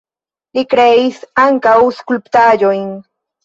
Li kreis ankaŭ skulptaĵojn.